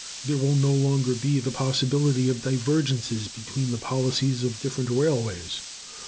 There will no longer be the possibility of divergences between the policies of different railways.